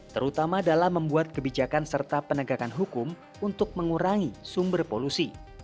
terutama dalam membuat kebijakan serta penegakan hukum untuk mengurangi sumber polusi